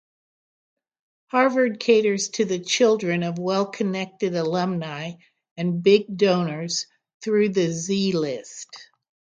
Harvard caters to the children of well-connected alumni and big donors through the "Z-list".